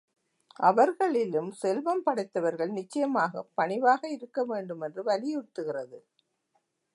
அவர்களிலும் செல்வம் படைத்தவர்கள் நிச்சயமாகப் பணிவாக இருக்க வேண்டும் என்று வலியுறுத்துகிறது.